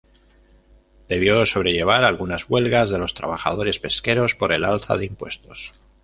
Debió sobrellevar algunas huelgas de los trabajadores pesqueros por el alza de impuestos.